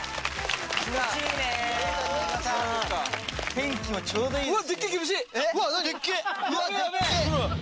天気もちょうどいいですね。